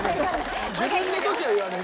自分の時は言わない。